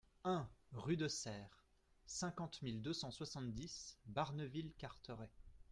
un rue de Sercq, cinquante mille deux cent soixante-dix Barneville-Carteret